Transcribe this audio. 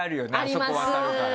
そこ渡るから。